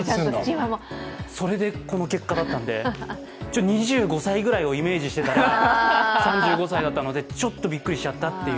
それでこの結果だったので、２５歳くらいをイメージしてたら３５歳だったので、ちょっとびっくりしちゃったっていう。